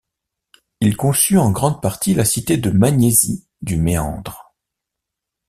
Il conçut en grande partie la cité de Magnésie du Méandre.